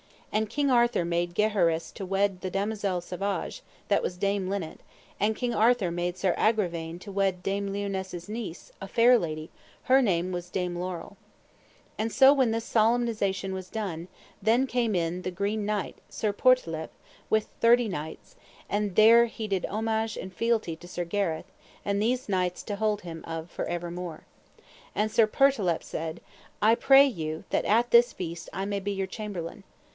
And King Arthur made Gaheris to wed the Damosel Savage, that was Dame Linet; and King Arthur made Sir Agravaine to wed Dame Lionesse's niece, a fair lady, her name was Dame Laurel. And so when this solemnization was done, then came in the Green Knight, Sir Pertolepe, with thirty knights, and there he did homage and fealty to Sir Gareth, and these knights to hold of him for evermore. Also Sir Pertolepe said: I pray you that at this feast I may be your chamberlain.